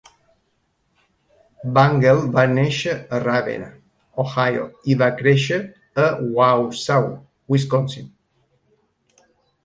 Bangle va néixer a Ravenna, Ohio, i va créixer a Wausau, Wisconsin.